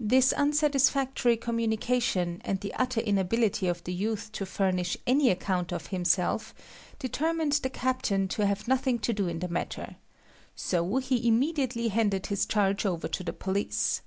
This unsatisfactory communication, and the utter inability of the youth to furnish any account of himself, determined the captain to have nothing to do in the matter; so he immediately handed his charge over to the police.